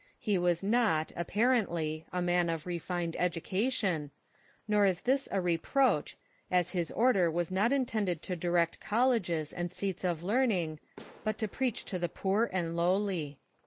He was not, apparently, a man of refined education, nor is this a reproach, as his order was not intended to direct colleges and seats of learning, but to preach to the poor and lowly.